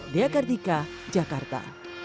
dea gardika jakarta